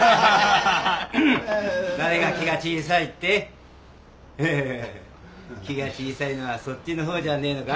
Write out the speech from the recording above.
・誰が気が小さいって？フフフフ気が小さいのはそっちのほうじゃねえのか？